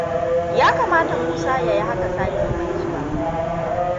Ya kamata Musa ya yi haka sati mai zuwa.